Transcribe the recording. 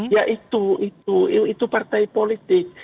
ya itu itu partai politik